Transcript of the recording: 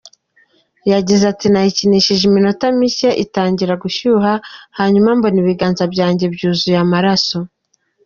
Yagize ati “Nayikinishije iminota mike itangira gushyuha hanyuma mbona ibiganza byanjye byuzuye amaraso.